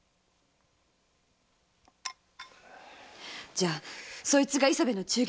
じゃそいつが磯部の中間なの？